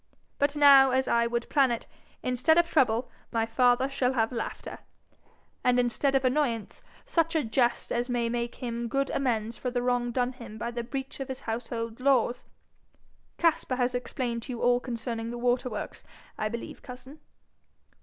But now, as I would plan it, instead of trouble my father shall have laughter, and instead of annoyance such a jest as may make him good amends for the wrong done him by the breach of his household laws. Caspar has explained to you all concerning the water works, I believe, cousin?'